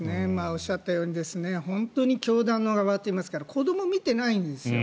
おっしゃったように本当に教団の側といいますか子どもを見てないんですよ。